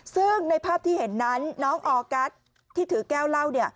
ซึ่งในภาพที่เห็นนั้นน้องออกัสที่ถือแก้วเหล้า